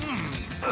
あ！